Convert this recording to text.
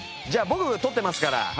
じゃあ僕撮ってますから。